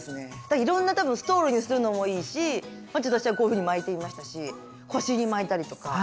いろんな多分ストールにするのもいいし私はこういうふうに巻いてみましたし腰に巻いたりとかいろんな用途がありますよね。